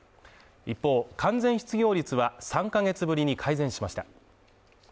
一方、完全失業率は３か月ぶりに改善しました。